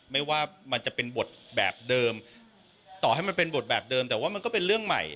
ไม่ว่ามันจะเป็นบทแบบเดิมต่อให้มันเป็นบทแบบเดิมแต่ว่ามันก็เป็นเรื่องใหม่